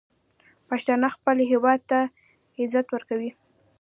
پښتانه خپل هیواد ته عزت ورکوي.